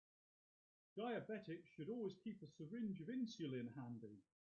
Diabetics should always keep a syringe of insulin handy.